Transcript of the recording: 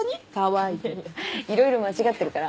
いやいやいろいろ間違ってるから。